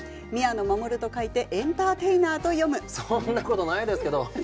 そんなことないですけどね。